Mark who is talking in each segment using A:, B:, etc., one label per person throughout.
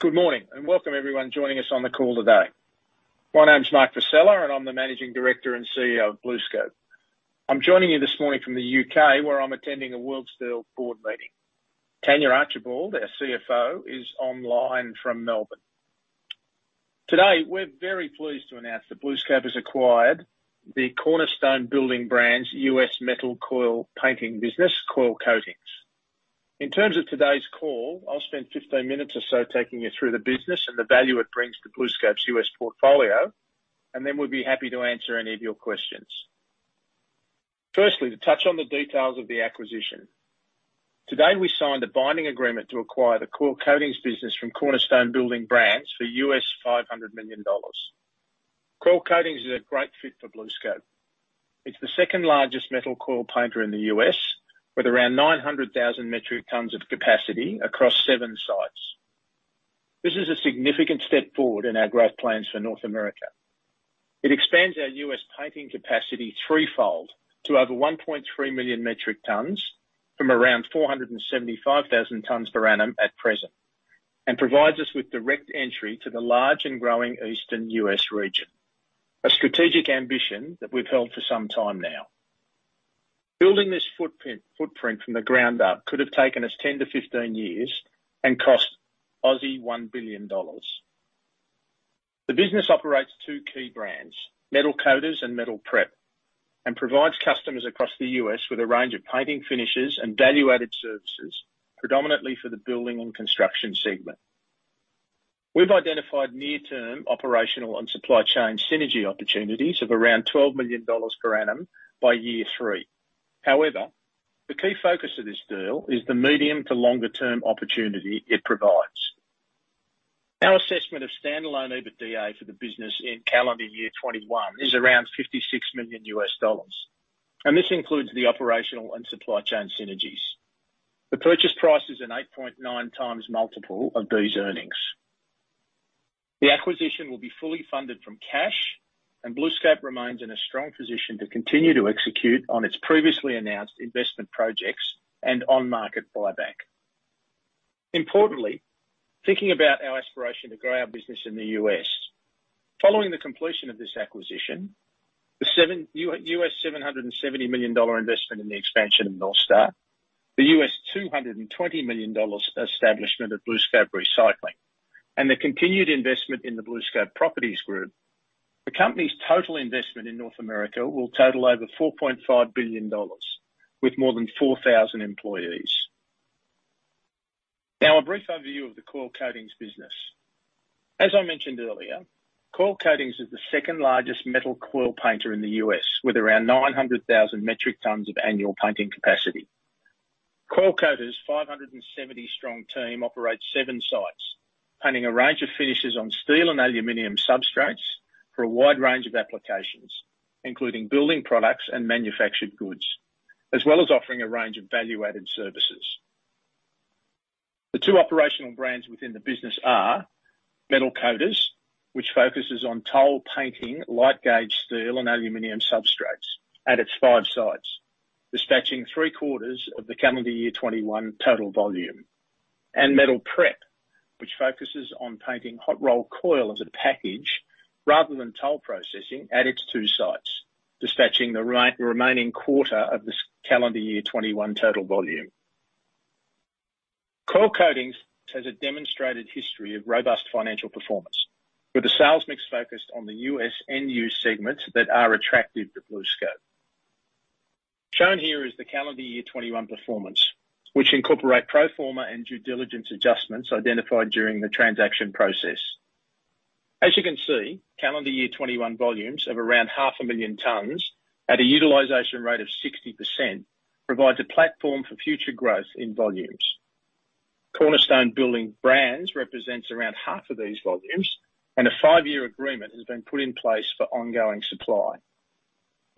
A: Good morning, and welcome everyone joining us on the call today. My name's Mark Vassella, and I'm the Managing Director and Chief Executive Officer of BlueScope. I'm joining you this morning from the U.K., where I'm attending a World Steel board meeting. Tania Archibald, our Chief Financial Officer, is online from Melbourne. Today, we're very pleased to announce that BlueScope has acquired the Cornerstone Building Brands' U.S. metal coil painting business, Coil Coatings. In terms of today's call, I'll spend 15 minutes or so taking you through the business and the value it brings to BlueScope's U.S. Portfolio, and then we'll be happy to answer any of your questions. First, to touch on the details of the acquisition. Today, we signed a binding agreement to acquire the Coil Coatings business from Cornerstone Building Brands for $500 million. Coil Coatings is a great fit for BlueScope. It's the second-largest metal coil painter in the U.S., with around 900,000 metric tons of capacity across seven sites. This is a significant step forward in our growth plans for North America. It expands our U.S. painting capacity threefold to over 1.3 million metric tons from around 475,000 tons per annum at present, and provides us with direct entry to the large and growing Eastern U.S. region, a strategic ambition that we've held for some time now. Building this footprint from the ground up could have taken us 10-15 years and cost 1 billion Aussie dollars. The business operates two key brands, Metal Coaters and Metal Prep, and provides customers across the U.S. with a range of painting finishes and value-added services, predominantly for the building and construction segment. We've identified near-term operational and supply chain synergy opportunities of around $12 million per annum by year three. However, the key focus of this deal is the medium to longer-term opportunity it provides. Our assessment of standalone EBITDA for the business in calendar year 2021 is around $56 million, and this includes the operational and supply chain synergies. The purchase price is an 8.9x multiple of these earnings. The acquisition will be fully funded from cash, and BlueScope remains in a strong position to continue to execute on its previously announced investment projects and on-market buyback. Importantly, thinking about our aspiration to grow our business in the U.S., following the completion of this acquisition, the U.S. $770 million investment in the expansion of North Star, the U.S. $220 million establishment of BlueScope Recycling, and the continued investment in the BlueScope Properties Group, the company's total investment in North America will total over $4.5 billion with more than 4,000 employees. Now, a brief overview of the Coil Coatings business. As I mentioned earlier, Coil Coatings is the second-largest metal coil painter in the U.S., with around 900,000 metric tons of annual painting capacity. Coil Coatings' 570-strong team operates seven sites, painting a range of finishes on steel and aluminum substrates for a wide range of applications, including building products and manufactured goods, as well as offering a range of value-added services. The two operational brands within the business are Metal Coaters, which focuses on toll painting, light gauge steel and aluminum substrates at its five sites, dispatching three-quarters of the calendar year 2021 total volume. Metal Prep, which focuses on painting hot rolled coil as a package rather than toll processing at its two sites, dispatching the remaining quarter of this calendar year 2021 total volume. Coil Coatings has a demonstrated history of robust financial performance with a sales mix focused on the U.S. end-use segments that are attractive to BlueScope. Shown here is the calendar year 2021 performance, which incorporate pro forma and due diligence adjustments identified during the transaction process. As you can see, calendar year 2021 volumes of around 500,000 tons at a utilization rate of 60% provides a platform for future growth in volumes. Cornerstone Building Brands represents around half of these volumes, and a 5-year agreement has been put in place for ongoing supply.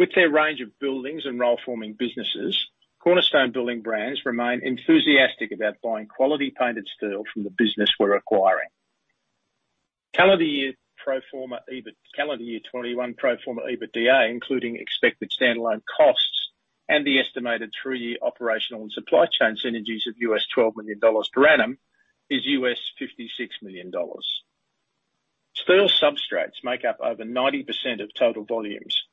A: With their range of buildings and roll forming businesses, Cornerstone Building Brands remain enthusiastic about buying quality painted steel from the business we're acquiring. Calendar year 2021 pro forma EBITDA, including expected standalone costs and the estimated 3-year operational and supply chain synergies of $12 million per annum is $56 million. Steel substrates make up over 90% of total volumes,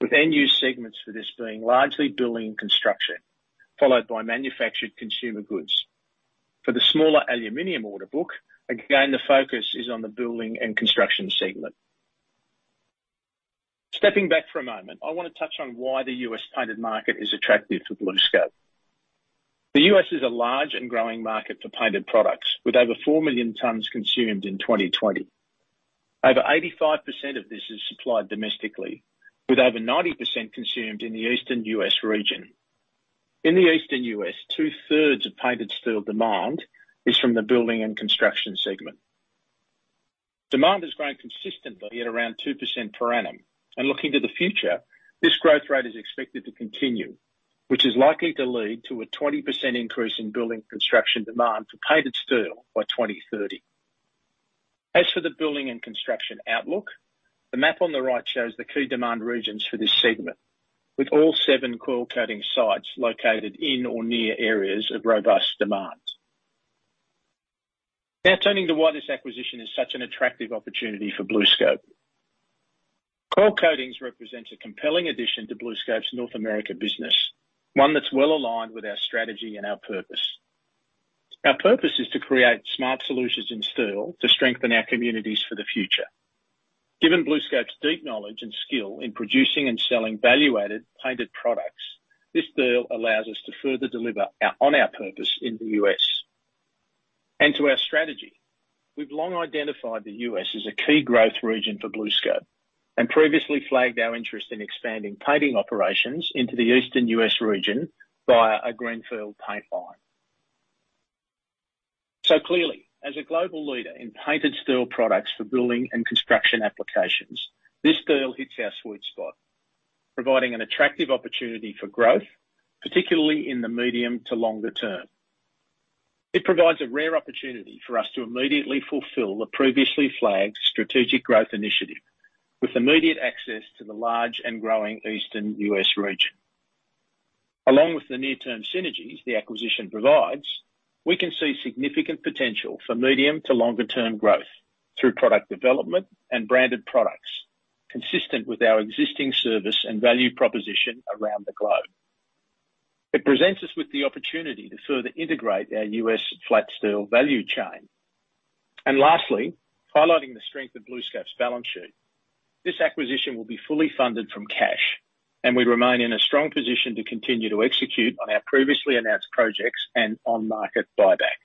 A: with end-use segments for this being largely building and construction, followed by manufactured consumer goods. For the smaller aluminum order book, again, the focus is on the building and construction segment. Stepping back for a moment, I wanna touch on why the U.S. painted market is attractive to BlueScope. The U.S. is a large and growing market for painted products with over 4 million tons consumed in 2020. Over 85% of this is supplied domestically, with over 90% consumed in the Eastern U.S. region. In the Eastern U.S., two-thirds of painted steel demand is from the building and construction segment. Demand has grown consistently at around 2% per annum. Looking to the future, this growth rate is expected to continue, which is likely to lead to a 20% increase in building construction demand for painted steel by 2030. As for the building and construction outlook, the map on the right shows the key demand regions for this segment, with all seven coil coating sites located in or near areas of robust demand. Now turning to why this acquisition is such an attractive opportunity for BlueScope. Coil Coatings represents a compelling addition to BlueScope's North America business, one that's well-aligned with our strategy and our purpose. Our purpose is to create smart solutions in steel to strengthen our communities for the future. Given BlueScope's deep knowledge and skill in producing and selling value-added painted products, this deal allows us to further deliver our, on our purpose in the U.S. To our strategy, we've long identified the U.S. as a key growth region for BlueScope and previously flagged our interest in expanding painting operations into the Eastern U.S. region via a greenfield paint line. Clearly, as a global leader in painted steel products for building and construction applications, this deal hits our sweet spot, providing an attractive opportunity for growth, particularly in the medium to longer term. It provides a rare opportunity for us to immediately fulfill the previously flagged strategic growth initiative with immediate access to the large and growing Eastern U.S. region. Along with the near-term synergies the acquisition provides, we can see significant potential for medium to longer-term growth through product development and branded products consistent with our existing service and value proposition around the globe. It presents us with the opportunity to further integrate our U.S. flat steel value chain. Lastly, highlighting the strength of BlueScope's balance sheet, this acquisition will be fully funded from cash, and we remain in a strong position to continue to execute on our previously announced projects and on-market buyback.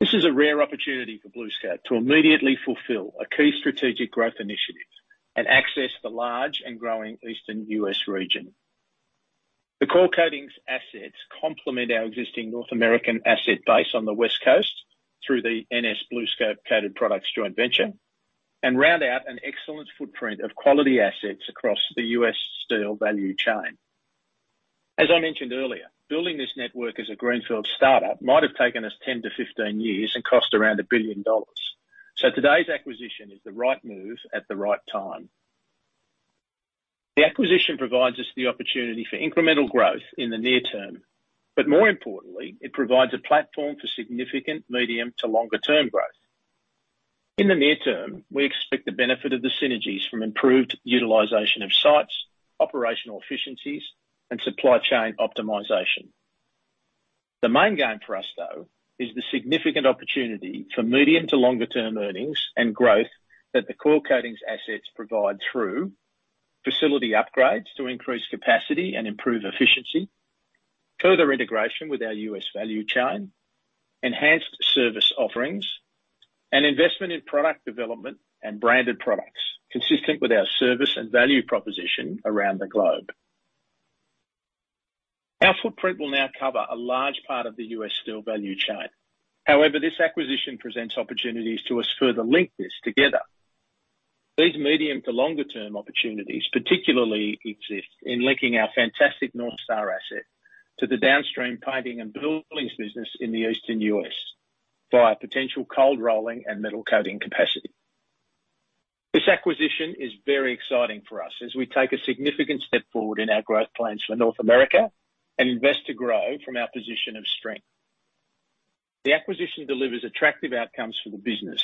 A: This is a rare opportunity for BlueScope to immediately fulfill a key strategic growth initiative and access the large and growing Eastern U.S. region. The Coil Coatings assets complement our existing North American asset base on the West Coast through the NS BlueScope Coated Products joint venture, and round out an excellent footprint of quality assets across the U.S. steel value chain. As I mentioned earlier, building this network as a greenfield startup might have taken us 10-15 years and cost around $1 billion. Today's acquisition is the right move at the right time. The acquisition provides us the opportunity for incremental growth in the near term, but more importantly, it provides a platform for significant medium to longer-term growth. In the near term, we expect the benefit of the synergies from improved utilization of sites, operational efficiencies, and supply chain optimization. The main gain for us, though, is the significant opportunity for medium to longer-term earnings and growth that the Coil Coatings assets provide through facility upgrades to increase capacity and improve efficiency, further integration with our U.S. value chain, enhanced service offerings, and investment in product development and branded products consistent with our service and value proposition around the globe. Our footprint will now cover a large part of the U.S. steel value chain. However, this acquisition presents opportunities to us to further link this together. These medium- to longer-term opportunities particularly exist in linking our fantastic North Star asset to the downstream painting and buildings business in the Eastern U.S. via potential cold rolling and metal coating capacity. This acquisition is very exciting for us as we take a significant step forward in our growth plans for North America and invest to grow from our position of strength. The acquisition delivers attractive outcomes for the business,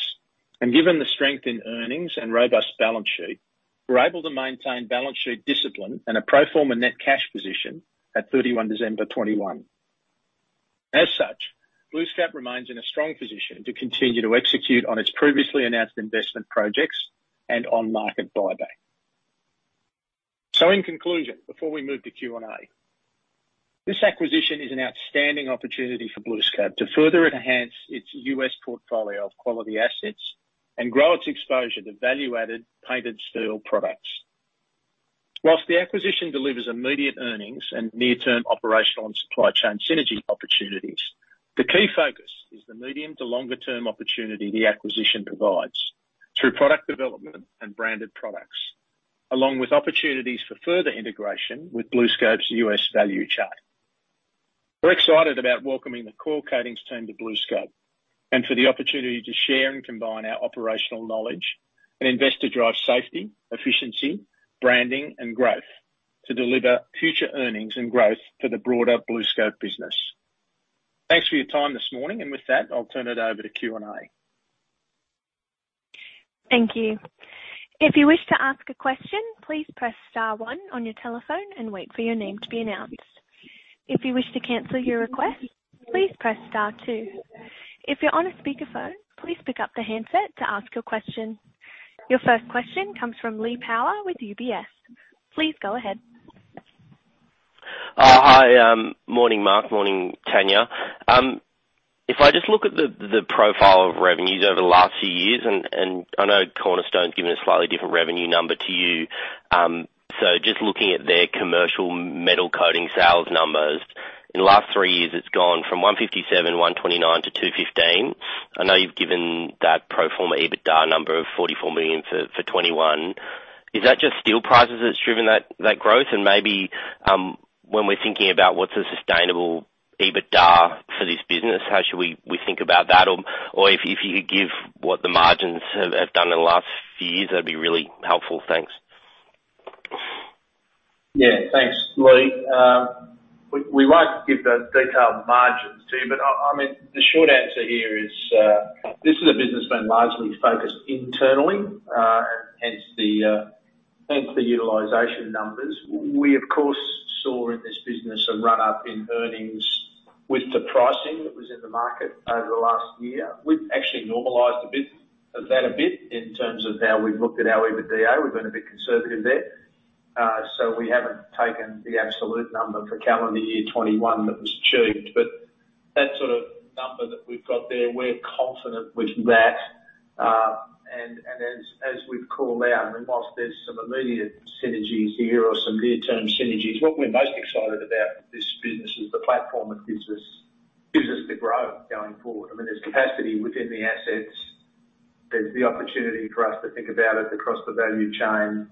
A: and given the strength in earnings and robust balance sheet, we're able to maintain balance sheet discipline and a pro forma net cash position at 31 December 2021. As such, BlueScope remains in a strong position to continue to execute on its previously announced investment projects and on-market buyback. In conclusion, before we move to Q&A, this acquisition is an outstanding opportunity for BlueScope to further enhance its U.S. portfolio of quality assets and grow its exposure to value-added painted steel products. While the acquisition delivers immediate earnings and near-term operational and supply chain synergy opportunities, the key focus is the medium to longer-term opportunity the acquisition provides through product development and branded products, along with opportunities for further integration with BlueScope's U.S. value chain. We're excited about welcoming the Coil Coatings team to BlueScope and for the opportunity to share and combine our operational knowledge and invest to drive safety, efficiency, branding, and growth to deliver future earnings and growth for the broader BlueScope business. Thanks for your time this morning. With that, I'll turn it over to Q&A.
B: Thank you. If you wish to ask a question, please press star one on your telephone and wait for your name to be announced. If you wish to cancel your request, please press star two. If you're on a speakerphone, please pick up the handset to ask your question. Your first question comes from Lee Power with UBS. Please go ahead.
C: Hi. Morning, Mark. Morning, Tania. If I just look at the profile of revenues over the last few years, and I know Cornerstone's given a slightly different revenue number to you. Just looking at their commercial metal coating sales numbers, in the last three years, it's gone from $157, $129 to $215. I know you've given that pro forma EBITDA number of $44 million for 2021. Is that just steel prices that's driven that growth? Maybe, when we're thinking about what's a sustainable EBITDA for this business, how should we think about that? Or if you could give what the margins have done in the last few years, that'd be really helpful. Thanks.
A: Thanks, Lee. We won't give the detailed margins to you, but I mean, the short answer here is, this is a business that's been largely focused internally, and hence the utilization numbers. We of course saw in this business a run-up in earnings with the pricing that was in the market over the last year. We've actually normalized a bit of that a bit in terms of how we've looked at our EBITDA. We've been a bit conservative there. We haven't taken the absolute number for calendar year 2021 that was achieved. That sort of number that we've got there, we're confident with that. As we've called out, whilst there's some immediate synergies here or some near-term synergies, what we're most excited about this business is the platform it gives us to grow going forward. I mean, there's capacity within the assets. There's the opportunity for us to think about it across the value chain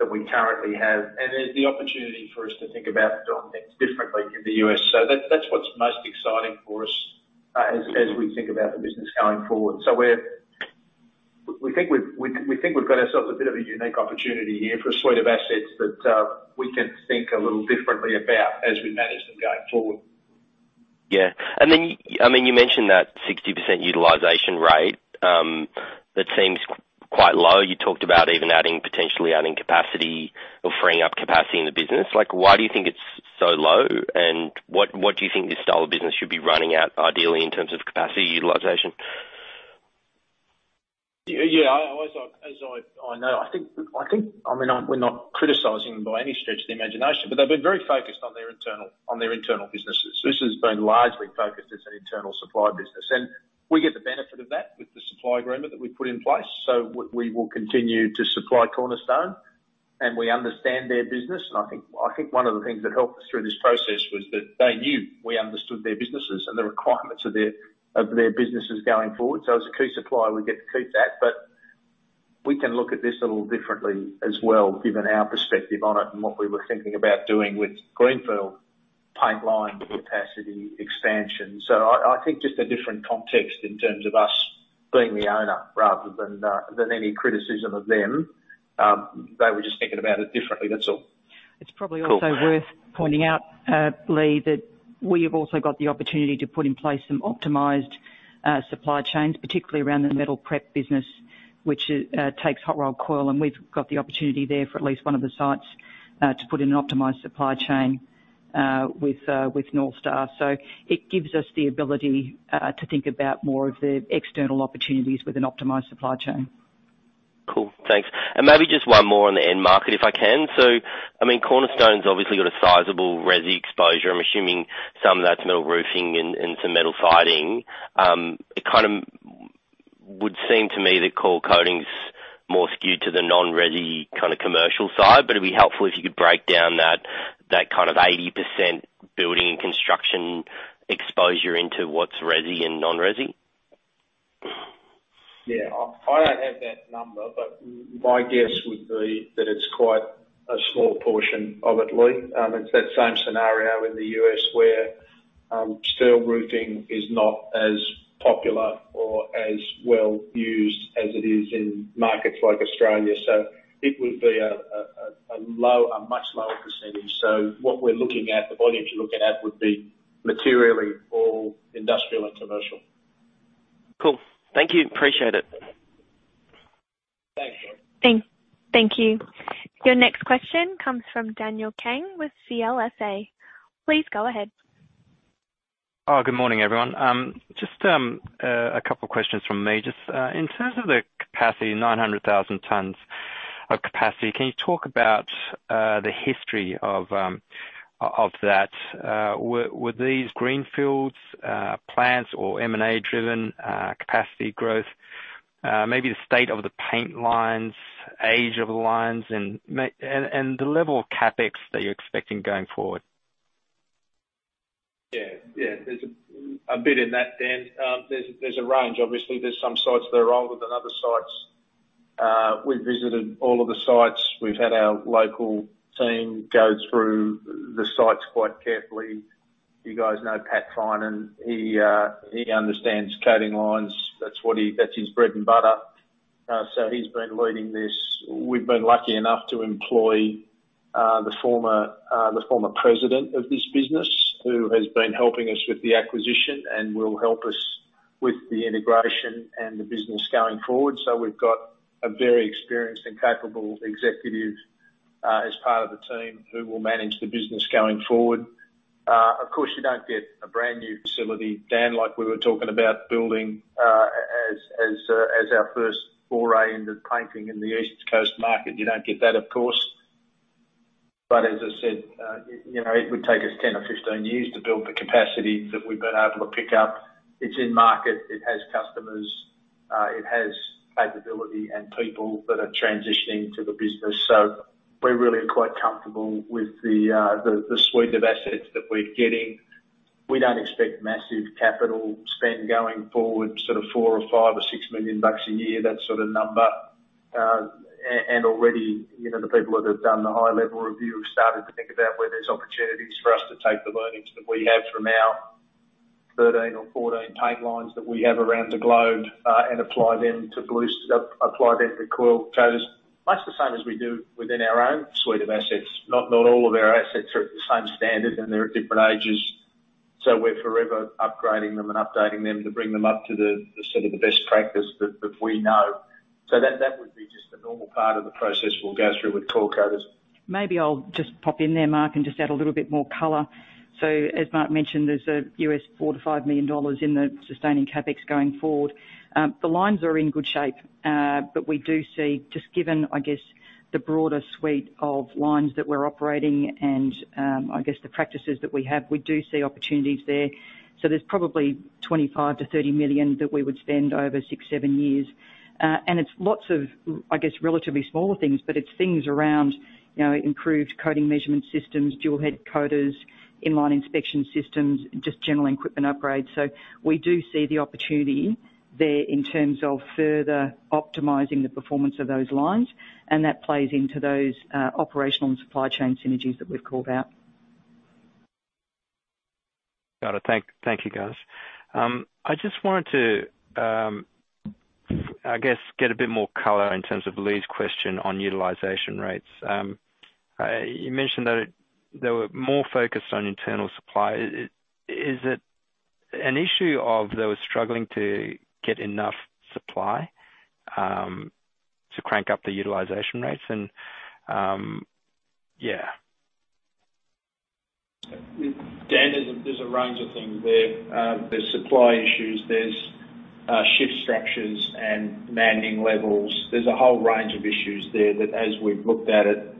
A: that we currently have. There's the opportunity for us to think about doing things differently in the U.S. That's what's most exciting for us as we think about the business going forward. We think we've got ourselves a bit of a unique opportunity here for a suite of assets that we can think a little differently about as we manage them going forward.
C: Yeah. I mean, you mentioned that 60% utilization rate, that seems quite low. You talked about even adding, potentially adding capacity or freeing up capacity in the business. Like, why do you think it's so low? What do you think this style of business should be running at, ideally, in terms of capacity utilization?
A: Yeah, I think, I mean, we're not criticizing by any stretch of the imagination, but they've been very focused on their internal businesses. This has been largely focused as an internal supply business. We get the benefit of that with the supply agreement that we've put in place. We will continue to supply Cornerstone, and we understand their business. I think one of the things that helped us through this process was that they knew we understood their businesses and the requirements of their businesses going forward. As a key supplier, we get to keep that. We can look at this a little differently as well, given our perspective on it and what we were thinking about doing with greenfield pipeline capacity expansion. I think just a different context in terms of us being the owner rather than any criticism of them. They were just thinking about it differently, that's all.
D: It's probably also worth pointing out, Lee, that we have also got the opportunity to put in place some optimized supply chains, particularly around the Metal Prep business, which takes hot rolled coil, and we've got the opportunity there for at least one of the sites to put in an optimized supply chain with North Star. It gives us the ability to think about more of the external opportunities with an optimized supply chain.
C: Cool. Thanks. Maybe just one more on the end market, if I can. I mean, Cornerstone's obviously got a sizable resi exposure. I'm assuming some of that's metal roofing and some metal siding. It kind of would seem to me that Coil Coatings' more skewed to the non-resi kind of commercial side, but it'd be helpful if you could break down that kind of 80% building and construction exposure into what's resi and non-resi.
A: Yeah. I don't have that number, but my guess would be that it's quite a small portion of it, Lee. It's that same scenario in the U.S. where steel roofing is not as popular or as well used as it is in markets like Australia. It would be a much lower percentage. What we're looking at, the volumes you're looking at would be materially for industrial and commercial.
C: Cool. Thank you. I appreciate it.
A: Thanks.
B: Thank you. Your next question comes from Daniel Kang with CLSA. Please go ahead.
E: Oh, good morning, everyone. Just a couple of questions from me. Just in terms of the capacity, 900,000 tons of capacity, can you talk about the history of that? Were these greenfields plants or M&A-driven capacity growth? Maybe the state of the paint lines, age of the lines, and the level of CapEx that you're expecting going forward.
A: Yeah, yeah. There's a bit in that, Dan. There's a range, obviously. There's some sites that are older than other sites. We've visited all of the sites. We've had our local team go through the sites quite carefully. You guys know Pat Finan. He understands coating lines. That's his bread and butter. So he's been leading this. We've been lucky enough to employ the former president of this business who has been helping us with the acquisition and will help us with the integration and the business going forward. So we've got a very experienced and capable executive as part of the team who will manage the business going forward. Of course, you don't get a brand new facility, Dan, like we were talking about building, as our first foray into painting in the East Coast market. You don't get that, of course. As I said, you know, it would take us 10 or 15 years to build the capacity that we've been able to pick up. It's in market, it has customers, it has capability and people that are transitioning to the business. We're really quite comfortable with the suite of assets that we're getting. We don't expect massive capital spend going forward, sort of $4 million-$6 million a year, that sort of number. Already, you know, the people that have done the high-level review have started to think about where there's opportunities for us to take the learnings that we have from our 13 or 14 pipelines that we have around the globe, and apply them to Coil Coatings. Much the same as we do within our own suite of assets. Not all of our assets are at the same standard, and they're at different ages, so we're forever upgrading them and updating them to bring them up to the sort of best practice that we know. That would be just a normal part of the process we'll go through with Coil Coatings.
D: Maybe I'll just pop in there, Mark, and just add a little bit more color. As Mark mentioned, there's $4 million-$5 million in the sustaining CapEx going forward. The lines are in good shape, but we do see just given, I guess, the broader suite of lines that we're operating and, I guess, the practices that we have, we do see opportunities there. There's probably $25 million-$30 million that we would spend over 6-7 years. And it's lots of, I guess, relatively smaller things, but it's things around, you know, improved coating measurement systems, dual head coaters, in-line inspection systems, just general equipment upgrades. We do see the opportunity there in terms of further optimizing the performance of those lines, and that plays into those, operational and supply chain synergies that we've called out.
E: Got it. Thank you, guys. I just wanted to, I guess, get a bit more color in terms of Lee's question on utilization rates. You mentioned that they were more focused on internal supply. Is it an issue that they were struggling to get enough supply to crank up the utilization rates.
A: Dan, there's a range of things there. There's supply issues, shift structures and manning levels. There's a whole range of issues there that as we've looked at it,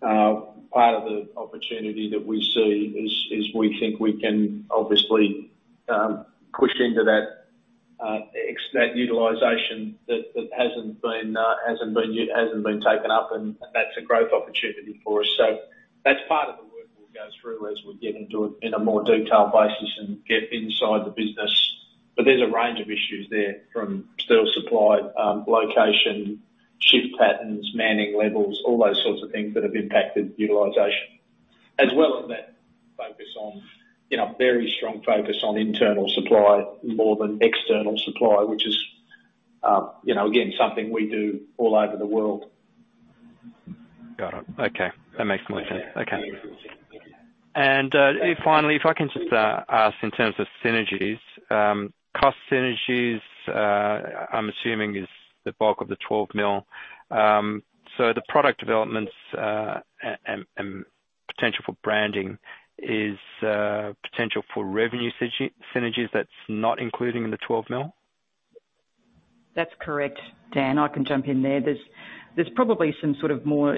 A: part of the opportunity that we see is we think we can obviously push into that utilization that hasn't been taken up, and that's a growth opportunity for us. That's part of the work we'll go through as we get into it in a more detailed basis and get inside the business. There's a range of issues there from steel supply, location, shift patterns, manning levels, all those sorts of things that have impacted utilization. As well as that focus on, you know, very strong focus on internal supply more than external supply, which is, you know, again, something we do all over the world.
E: Got it. Okay. That makes more sense. Okay. Finally, if I can just ask in terms of synergies, cost synergies, I'm assuming is the bulk of the 12 million. The product developments and potential for branding is potential for revenue synergies that's not including the 12 million?
D: That's correct, Dan. I can jump in there. There's probably some sort of more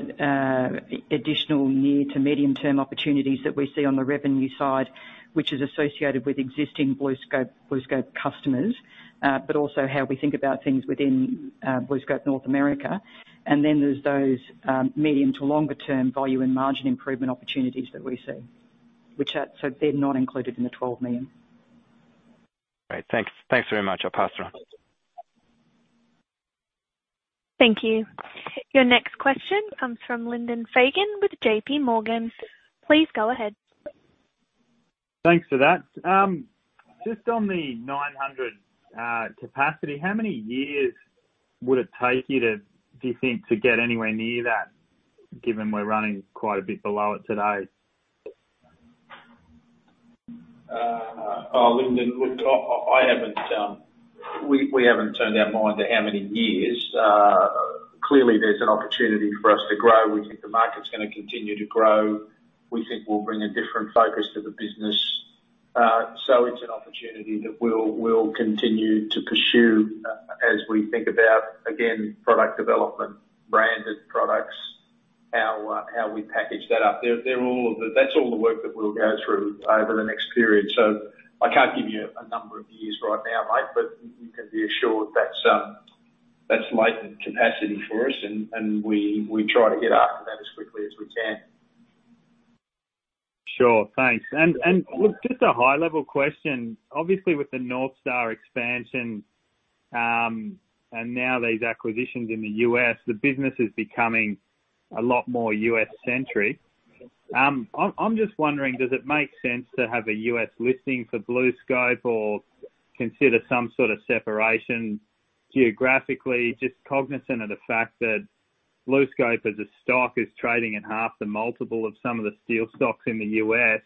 D: additional near- to medium-term opportunities that we see on the revenue side, which is associated with existing BlueScope customers, but also how we think about things within BlueScope North America. Then there's those medium- to longer-term volume and margin improvement opportunities that we see, which are not included in the 12 million.
E: Great. Thanks. Thanks very much. I'll pass around.
B: Thank you. Your next question comes from Lyndon Fagan with J.P. Morgan. Please go ahead.
F: Thanks for that. Just on the 900 capacity, how many years would it take you, do you think, to get anywhere near that, given we're running quite a bit below it today?
A: Oh, Lyndon, look, we haven't turned our mind to how many years. Clearly there's an opportunity for us to grow. We think the market's gonna continue to grow. We think we'll bring a different focus to the business. It's an opportunity that we'll continue to pursue as we think about, again, product development, branded products, how we package that up. That's all the work that we'll go through over the next period. I can't give you a number of years right now, mate, but you can be assured that's latent capacity for us and we try to get after that as quickly as we can.
F: Sure. Thanks. Look, just a high-level question. Obviously, with the North Star expansion, and now these acquisitions in the U.S., the business is becoming a lot more U.S.-centric. I'm just wondering, does it make sense to have a U.S. listing for BlueScope or consider some sort of separation geographically, just cognizant of the fact that BlueScope as a stock is trading at half the multiple of some of the steel stocks in the U.S.,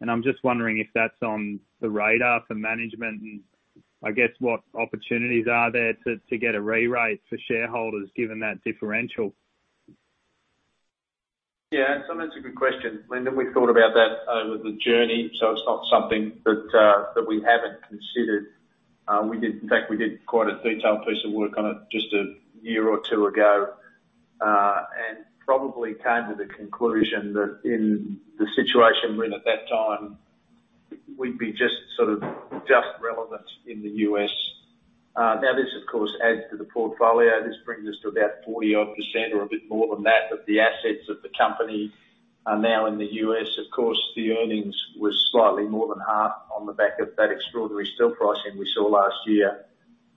F: and I'm just wondering if that's on the radar for management, and I guess what opportunities are there to get a re-rate for shareholders given that differential?
A: Yeah. That's a good question, Lyndon. We've thought about that over the journey, so it's not something that we haven't considered. In fact, we did quite a detailed piece of work on it just a year or two ago, and probably came to the conclusion that in the situation we're in at that time, we'd be just sort of relevant in the U.S. Now this of course adds to the portfolio. This brings us to about 40-odd% or a bit more than that of the assets of the company are now in the U.S. Of course, the earnings was slightly more than half on the back of that extraordinary steel pricing we saw last year,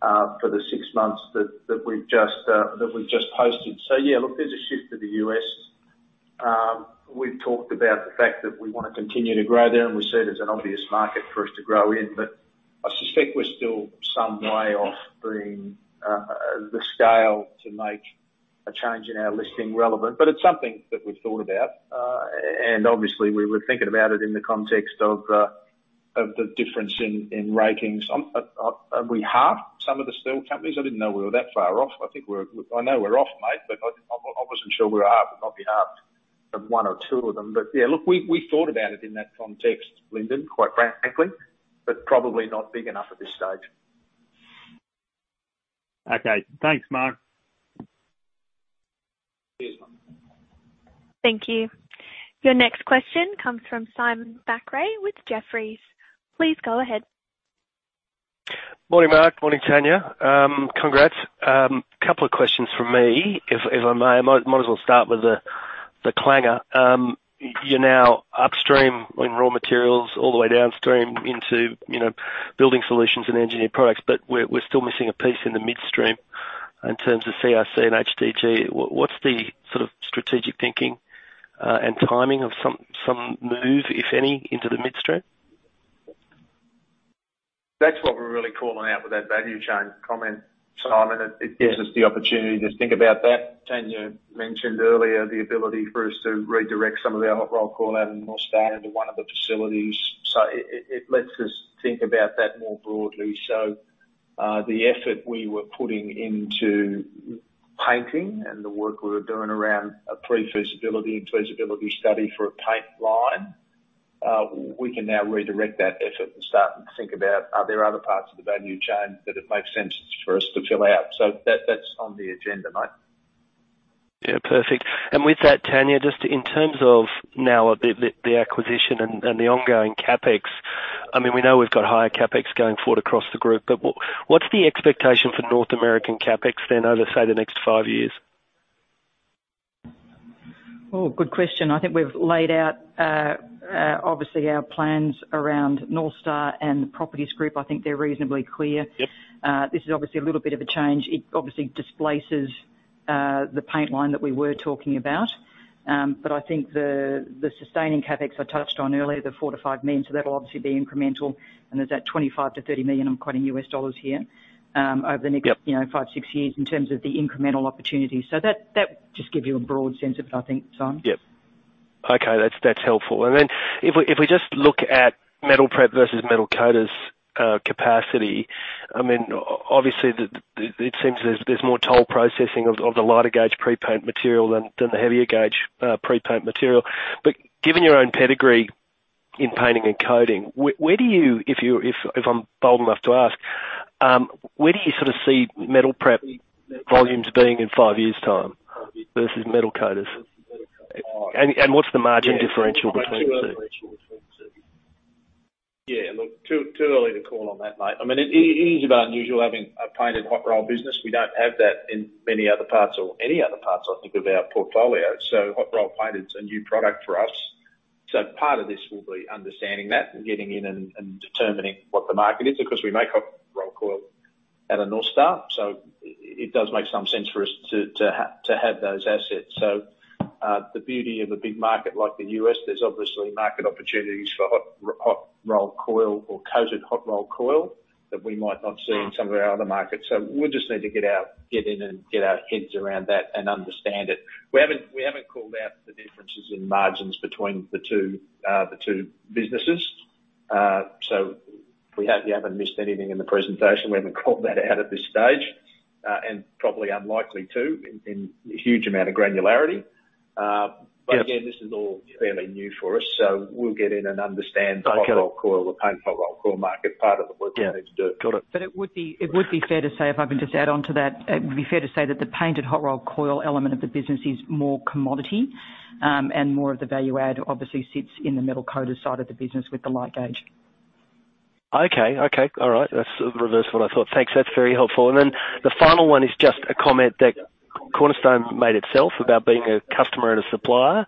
A: for the six months that we've just posted. Yeah, look, there's a shift to the U.S. We've talked about the fact that we wanna continue to grow there, and we see it as an obvious market for us to grow in. I suspect we're still some way off being the scale to make a change in our listing relevant. It's something that we've thought about, and obviously we were thinking about it in the context of the difference in rankings. Are we half some of the steel companies? I didn't know we were that far off. I know we're off, mate, but I wasn't sure we're half. We might be half of one or two of them. Yeah, look, we thought about it in that context, Lyndon, quite frankly, but probably not big enough at this stage.
F: Okay. Thanks, Mark.
A: Cheers.
B: Thank you. Your next question comes from Simon Thackray with Jefferies. Please go ahead.
G: Morning, Mark. Morning, Tania. Congrats. Couple of questions from me, if I may. I might as well start with the clanger. You're now upstream in raw materials all the way downstream into, you know, building solutions and engineered products. We're still missing a piece in the midstream in terms of CRC and HDG. What's the sort of strategic thinking and timing of some move, if any, into the midstream?
A: That's what we're really calling out with that value chain comment, Simon. It gives us the opportunity to think about that. Tanya mentioned earlier the ability for us to redirect some of our hot rolled coil out of North Star into one of the facilities. It lets us think about that more broadly. The effort we were putting into painting and the work we were doing around a pre-feasibility and feasibility study for a paint line, we can now redirect that effort and start to think about, are there other parts of the value chain that it makes sense for us to fill out. That's on the agenda, mate.
G: Yeah, perfect. With that, Tanya, just in terms of now the acquisition and the ongoing CapEx, I mean, we know we've got higher CapEx going forward across the group, but what's the expectation for North American CapEx then over, say, the next 5 years?
D: Oh, good question. I think we've laid out, obviously our plans around North Star and the Properties Group. I think they're reasonably clear.
G: Yes.
D: This is obviously a little bit of a change. It obviously displaces the paint line that we were talking about. I think the sustaining CapEx I touched on earlier, the 4 million-5 million, so that'll obviously be incremental and there's that $25 million-$30 million, I'm quoting U.S. dollars. here, over the next-
G: Yep
D: You know, 5-6 years in terms of the incremental opportunities. That just gives you a broad sense of it I think, Simon.
G: Yep. Okay. That's helpful. If we just look at Metal Prep versus Metal Coaters capacity, I mean, obviously it seems there's more toll processing of the lighter gauge pre-paint material than the heavier gauge pre-paint material. But given your own pedigree in painting and coating, where do you, if I'm bold enough to ask, sort of see Metal Prep volumes being in five years time versus Metal Coaters? What's the margin differential between the two?
A: Yeah, look, too early to call on that, mate. I mean, it's a bit unusual having a painted hot-rolled business. We don't have that in many other parts or any other parts I think of our portfolio. Hot-rolled painted's a new product for us. Part of this will be understanding that and getting in and determining what the market is because we make hot-rolled coil out of North Star, so it does make some sense for us to have those assets. The beauty of a big market like the U.S., there's obviously market opportunities for hot-rolled coil or coated hot-rolled coil that we might not see in some of our other markets. We'll just need to get in and get our heads around that and understand it. We haven't called out the differences in margins between the two businesses. You haven't missed anything in the presentation. We haven't called that out at this stage, and probably unlikely to in huge amount of granularity.
G: Yes.
A: Again, this is all fairly new for us, so we'll get in and understand.
G: Okay.
A: The hot-rolled coil, the painted hot-rolled coil market, part of the work we need to do.
G: Yeah. Got it.
D: It would be fair to say, if I can just add on to that, it would be fair to say that the painted hot rolled coil element of the business is more commodity, and more of the value add obviously sits in the Metal Coaters side of the business with the light gauge.
G: Okay. Okay. All right. That's the reverse of what I thought. Thanks. That's very helpful. The final one is just a comment that Cornerstone made itself about being a customer and a supplier,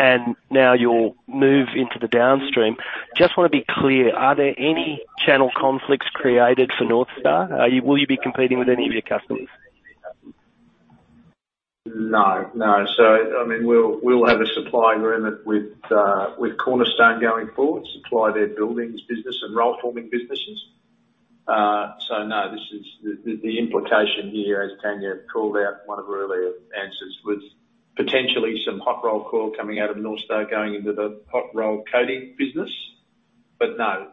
G: and now you'll move into the downstream. Just wanna be clear, are there any channel conflicts created for North Star? Will you be competing with any of your customers?
A: No. I mean, we'll have a supply agreement with Cornerstone going forward, supply their buildings business and roll forming businesses. No, this is the implication here, as Tanya called out in one of her earlier answers, was potentially some hot rolled coil coming out of North Star going into the hot rolled coating business.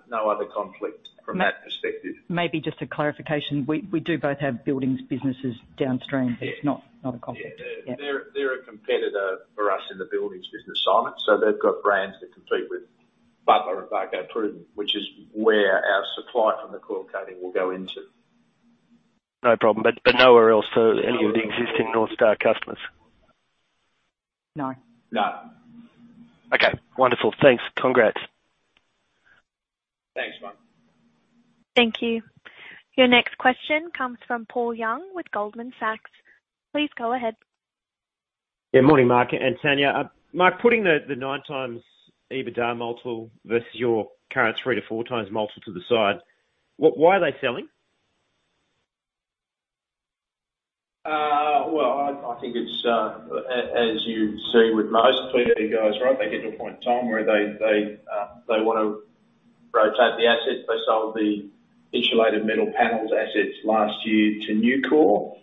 A: No other conflict from that perspective.
D: Maybe just a clarification. We do both have buildings businesses downstream.
A: Yeah.
D: It's not a conflict.
A: Yeah.
D: Yeah.
A: They're a competitor for us in the buildings business, Simon. They've got brands that compete with Butler and Varco Pruden, which is where our supply from the coil coating will go into.
G: No problem. Nowhere else to any of the existing North Star customers?
D: No.
A: No.
G: Okay, wonderful. Thanks. Congrats.
A: Thanks, Mark.
B: Thank you. Your next question comes from Paul Young with Goldman Sachs. Please go ahead.
H: Morning, Mark and Tania. Mark, putting the 9x EBITDA multiple versus your current 3x to 4x multiple to the side, why are they selling?
A: I think it's, as you see with most PE guys, right? They get to a point in time where they want to rotate the assets. They sold the insulated metal panels assets last year to Nucor.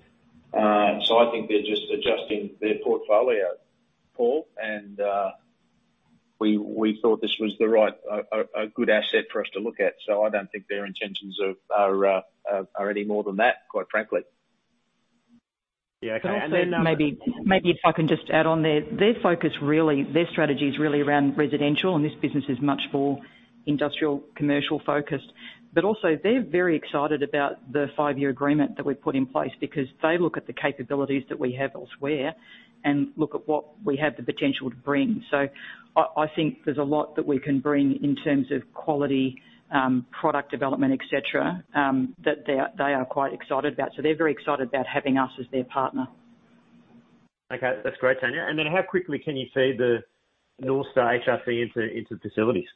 A: I think they're just adjusting their portfolio, Paul. We thought this was a good asset for us to look at. I don't think their intentions are any more than that, quite frankly.
H: Yeah.
D: Also maybe if I can just add on there. Their focus really. Their strategy is really around residential, and this business is much more industrial, commercial-focused. Also they're very excited about the five-year agreement that we've put in place because they look at the capabilities that we have elsewhere and look at what we have the potential to bring. I think there's a lot that we can bring in terms of quality, product development, et cetera, that they are quite excited about. They're very excited about having us as their partner.
H: Okay. That's great, Tania. How quickly can you see the North Star HRC into the facilities?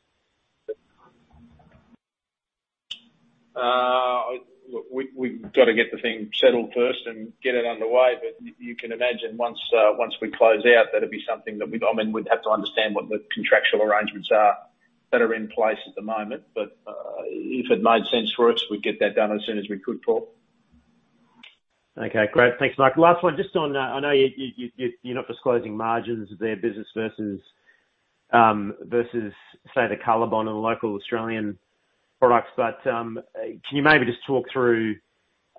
A: Look, we've gotta get the thing settled first and get it underway. You can imagine once we close out, that'd be something that we, I mean, we'd have to understand what the contractual arrangements are that are in place at the moment. If it made sense for us, we'd get that done as soon as we could, Paul.
H: Okay, great. Thanks, Mark. Last one. Just on, I know you're not disclosing margins of their business versus say the COLORBOND and the local Australian products. But, can you maybe just talk through,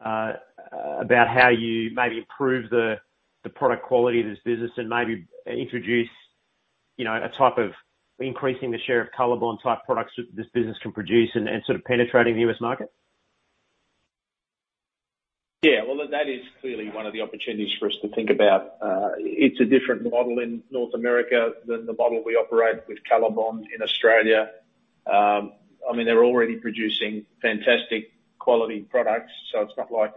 H: about how you maybe improve the product quality of this business and maybe introduce, you know, a type of increasing the share of COLORBOND-type products this business can produce and sort of penetrating the U.S. market?
A: Yeah. Well, that is clearly one of the opportunities for us to think about. It's a different model in North America than the model we operate with COLORBOND in Australia. I mean, they're already producing fantastic quality products, so it's not like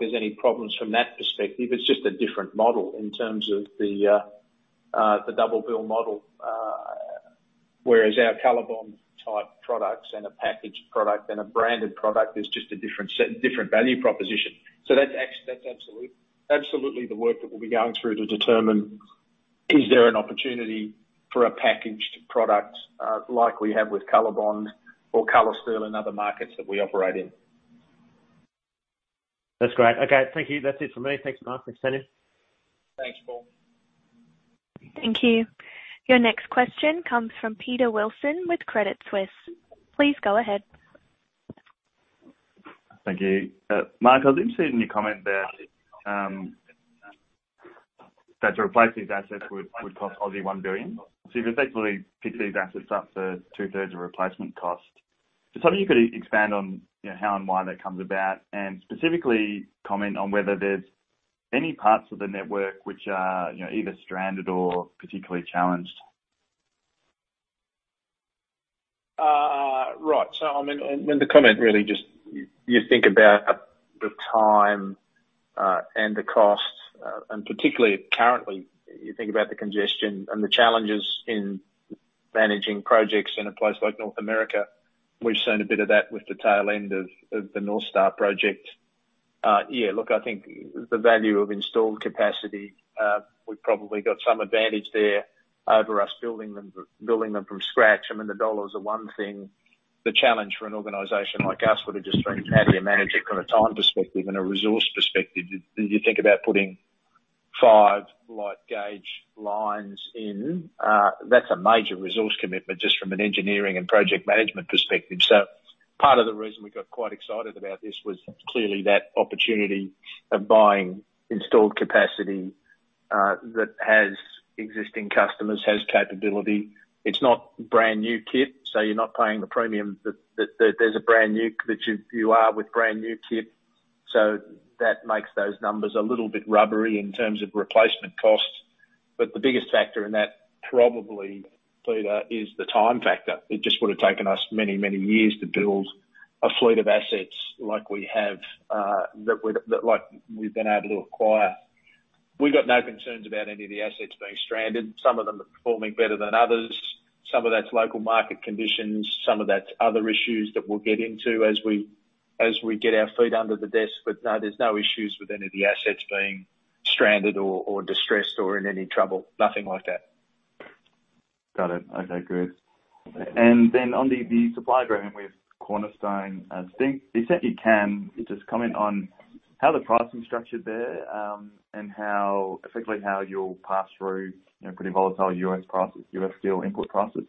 A: there's any problems from that perspective. It's just a different model in terms of the toll build model. Whereas our COLORBOND-type products and a packaged product and a branded product is just a different set, different value proposition. That's absolutely the work that we'll be going through to determine is there an opportunity for a packaged product like we have with COLORBOND or COLORSTEEL in other markets that we operate in.
H: That's great. Okay, thank you. That's it for me. Thanks, Mark and Tanya.
A: Thanks, Paul.
B: Thank you. Your next question comes from Peter Wilson with Credit Suisse. Please go ahead.
I: Thank you. Mark, I was interested in your comment that to replace these assets would cost 1 billion Aussie dollars. You've effectively picked these assets up for two-thirds of replacement cost. Just wondering if you could expand on, you know, how and why that comes about, and specifically comment on whether there's any parts of the network which are, you know, either stranded or particularly challenged.
A: Right. I mean, and the comment really just you think about the time, and the cost, and particularly currently, you think about the congestion and the challenges in managing projects in a place like North America. We've seen a bit of that with the tail end of the North Star project. Yeah, look, I think the value of installed capacity, we've probably got some advantage there over us building them from scratch. I mean, the dollar's the one thing. The challenge for an organization like us would have just been how do you manage it from a time perspective and a resource perspective. You think about putting five light gauge lines in, that's a major resource commitment just from an engineering and project management perspective. Part of the reason we got quite excited about this was clearly that opportunity of buying installed capacity that has existing customers, has capability. It's not brand new kit, so you're not paying the premium that you are with brand new kit. That makes those numbers a little bit rubbery in terms of replacement costs. The biggest factor in that probably, Peter, is the time factor. It just would have taken us many years to build a fleet of assets like we have that we've been able to acquire. We've got no concerns about any of the assets being stranded. Some of them are performing better than others. Some of that's local market conditions, some of that's other issues that we'll get into as we get our feet under the desk. No, there's no issues with any of the assets being stranded or distressed or in any trouble. Nothing like that.
I: Got it. Okay, good. On the supply agreement with Cornerstone and Zinc, you said you can. Can you just comment on how the pricing structured there, and effectively how you'll pass through, you know, pretty volatile U.S. prices, U.S. steel input prices?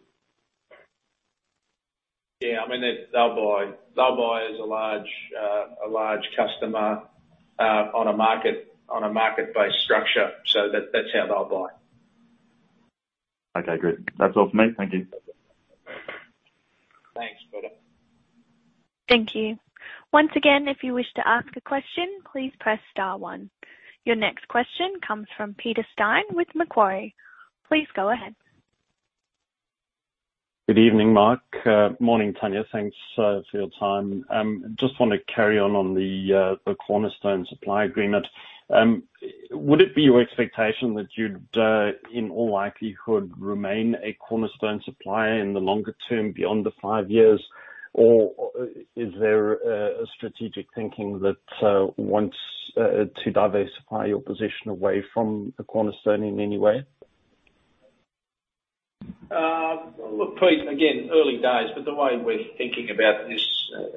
A: Yeah, I mean, they'll buy. They'll buy as a large customer on a market-based structure. That's how they'll buy.
I: Okay, good. That's all for me. Thank you.
B: Thank you. Once again, if you wish to ask a question, please press star one. Your next question comes from Peter Steyn with Macquarie. Please go ahead.
J: Good evening, Mark. Morning, Tanya. Thanks for your time. Just want to carry on the Cornerstone supply agreement. Would it be your expectation that you'd in all likelihood remain a Cornerstone supplier in the longer term beyond the five years? Or is there a strategic thinking that wants to diversify your position away from the Cornerstone in any way?
A: Look, Pete, again, early days, but the way we're thinking about this,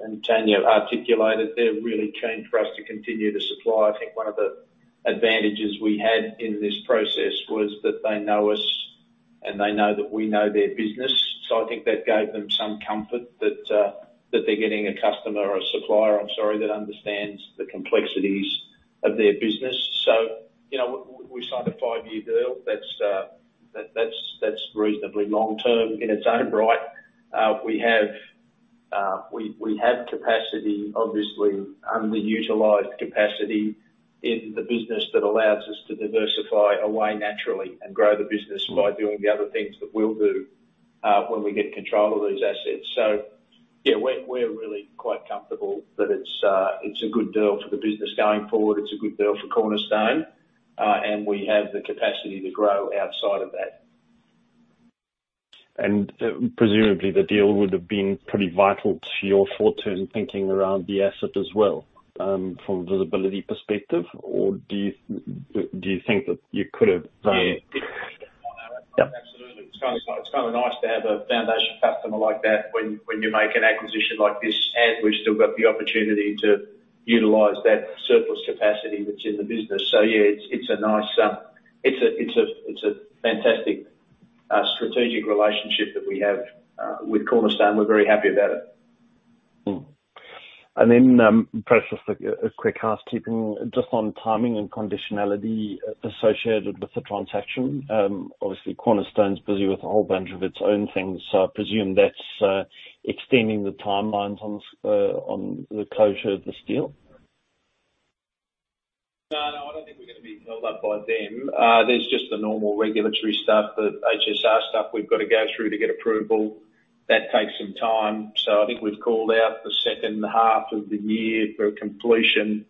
A: and Tania articulated, they're really keen for us to continue to supply. I think one of the advantages we had in this process was that they know us and they know that we know their business. I think that gave them some comfort that they're getting a customer or a supplier, I'm sorry, that understands the complexities of their business. You know, we signed a five-year deal. That's reasonably long term in its own right. We have capacity, obviously, we utilize capacity in the business that allows us to diversify away naturally and grow the business by doing the other things that we'll do when we get control of those assets. Yeah, we're really quite comfortable that it's a good deal for the business going forward. It's a good deal for Cornerstone, and we have the capacity to grow outside of that.
J: Presumably, the deal would have been pretty vital to your forward-term thinking around the asset as well, from visibility perspective. Do you think that you could have
A: Absolutely. It's kinda nice to have a foundation customer like that when you make an acquisition like this, and we've still got the opportunity to utilize that surplus capacity that's in the business. Yeah, it's a fantastic strategic relationship that we have with Cornerstone. We're very happy about it.
J: Perhaps just a quick housekeeping on timing and conditionality associated with the transaction. Obviously, Cornerstone is busy with a whole bunch of its own things, so I presume that's extending the timelines on the closure of this deal.
A: No, I don't think we're gonna be held up by them. There's just the normal regulatory stuff, the HSR stuff we've gotta go through to get approval. That takes some time. I think we've called out the second half of the year for completion.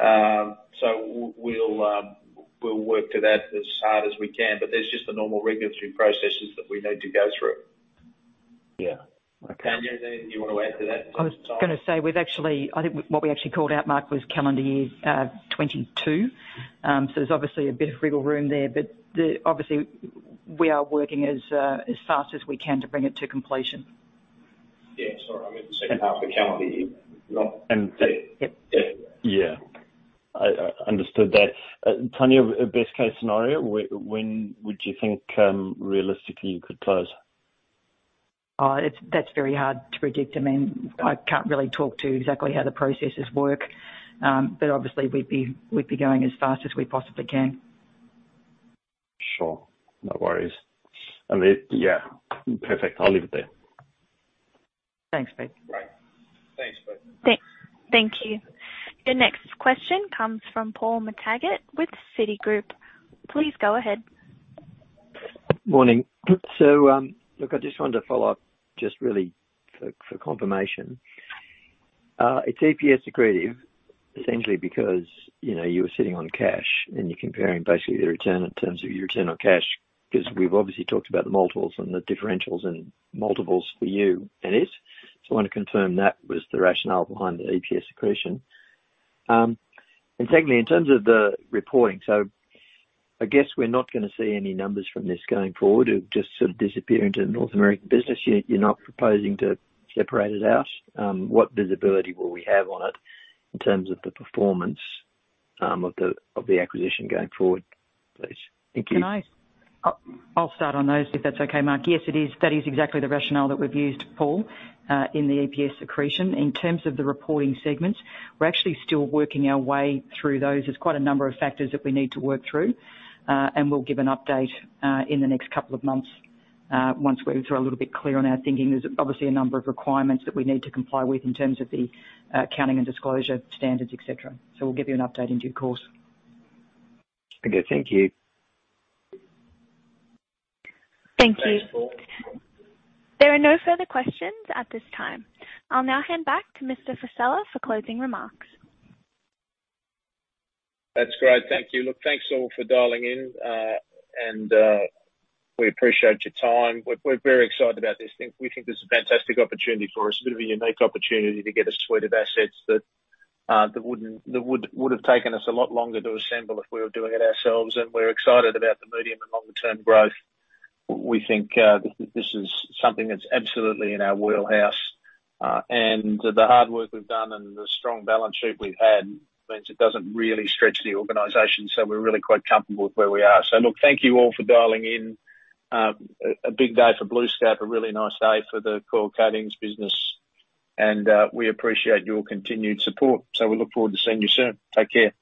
A: We'll work to that as hard as we can, but there's just the normal regulatory processes that we need to go through.
J: Yeah. Okay.
A: Tania, anything you wanna add to that?
D: I was gonna say, we've actually. I think what we actually called out, Mark, was calendar year 2022. So there's obviously a bit of wiggle room there, but obviously we are working as fast as we can to bring it to completion.
A: Yeah, sorry. I meant the second half of the calendar year, not
J: Yeah. I understood that. Tania, best case scenario, when would you think realistically you could close?
D: That's very hard to predict. I mean, I can't really talk to exactly how the processes work. Obviously we'd be going as fast as we possibly can.
J: Sure. No worries. Yeah. Perfect. I'll leave it there.
D: Thanks, Pete.
A: Great. Thanks, Pete.
B: Thank you. Your next question comes from Paul McTaggart with Citigroup. Please go ahead.
K: Morning. Look, I just wanted to follow up just really for confirmation. It's EPS accretive, essentially because, you know, you were sitting on cash and you're comparing basically the return in terms of your return on cash, because we've obviously talked about the multiples and the differentials and multiples for you and it. I want to confirm that was the rationale behind the EPS accretion. Secondly, in terms of the reporting, I guess we're not gonna see any numbers from this going forward. It'll just sort of disappear into the North American business. You're not proposing to separate it out. What visibility will we have on it in terms of the performance of the acquisition going forward, please? Thank you.
D: I'll start on those, if that's okay, Mark. Yes, it is. That is exactly the rationale that we've used, Paul, in the EPS accretion. In terms of the reporting segments, we're actually still working our way through those. There's quite a number of factors that we need to work through. We'll give an update in the next couple of months once we are a little bit clear on our thinking. There's obviously a number of requirements that we need to comply with in terms of the accounting and disclosure standards, et cetera. We'll give you an update in due course.
K: Okay. Thank you.
B: Thank you.
A: Thanks, Paul.
B: There are no further questions at this time. I'll now hand back to Mr. Vassella for closing remarks.
A: That's great. Thank you. Look, thanks all for dialing in. We appreciate your time. We're very excited about this. We think this is a fantastic opportunity for us. A bit of a unique opportunity to get a suite of assets that would have taken us a lot longer to assemble if we were doing it ourselves. We're excited about the medium and longer term growth. We think this is something that's absolutely in our wheelhouse. The hard work we've done and the strong balance sheet we've had means it doesn't really stretch the organization. We're really quite comfortable with where we are. Look, thank you all for dialing in. A big day for BlueScope, a really nice day for the Coil Coatings business, and we appreciate your continued support. We look forward to seeing you soon. Take care.